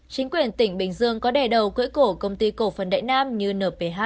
chính quyền tỉnh bình dương có đè đầu cưỡi cổ công ty cổ phần đại nam như nph